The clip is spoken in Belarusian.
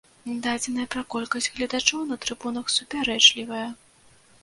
Дадзеныя пра колькасць гледачоў на трыбунах супярэчлівыя.